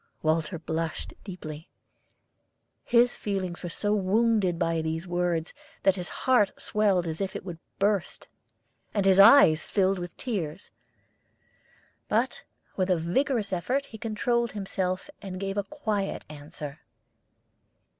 Walter blushed deeply. His feelings were so wounded by these words that his heart swelled as if it would burst, and his eyes filled with tears. But with a vigorous effort he controlled himself, and gave a quiet answer.